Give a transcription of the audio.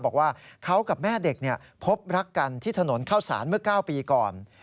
บอกว่าเขากับแม่เด็กพบรักกันที่ถนนเข้าสารเมื่อ๙ปีก่อน